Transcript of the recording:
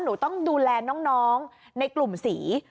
หนูต้องดูแลน้องในกลุ่มสี